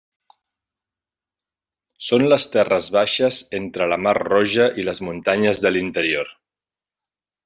Són les terres baixes entre la mar Roja i les muntanyes de l'interior.